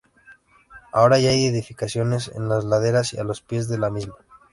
Ahora ya hay edificaciones en las laderas y a los pies de la misma.